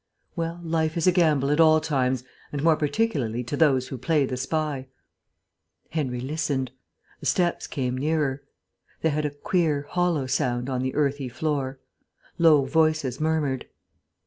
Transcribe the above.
Well, life is a gamble at all times, and more particularly to those who play the spy. Henry listened. The steps came nearer. They had a queer, hollow sound on the earthy floor. Low voices murmured.